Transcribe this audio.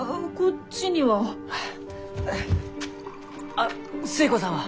あっ寿恵子さんは？